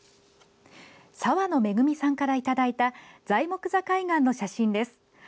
さわのめぐみさんからいただいた材木座海岸の写真です。